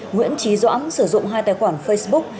nguyễn trí doãn sử dụng hai tài khoản facebook